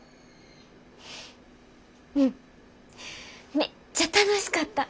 めっちゃ楽しかった。